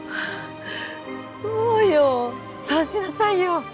そうよそうしなさいよ。